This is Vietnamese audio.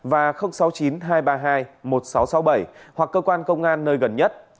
và sáu mươi chín hai trăm ba mươi hai một nghìn sáu trăm sáu mươi bảy hoặc cơ quan công an nơi gần nhất